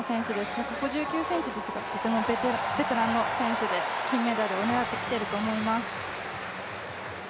１５９ｃｍですがとてもベテランの選手で金メダルを狙ってきていると思います。